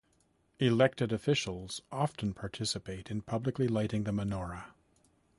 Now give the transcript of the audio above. Elected officials often participate in publicly lighting the menorah.